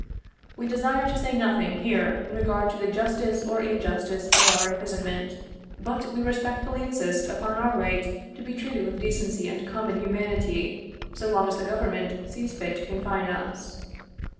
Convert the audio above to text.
We desire to say nothing, here, in regard to the justice or injustice of our imprisonment, but we respectfully insist upon our right to be treated with decency and common humanity, so long as the government sees fit to confine us.